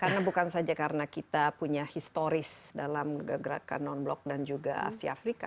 karena bukan saja karena kita punya historis dalam menggerakkan non block dan juga asia afrika